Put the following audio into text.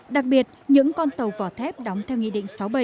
đặc biệt những con tàu vỏ thép đóng theo nghị định sáu bảy